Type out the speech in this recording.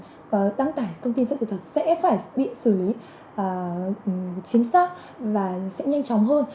các hành vi này đáng tải thông tin sự thật sẽ phải bị xử lý chính xác và sẽ nhanh chóng hơn